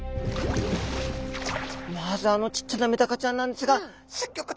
まずあのちっちゃなメダカちゃんなんですがすギョく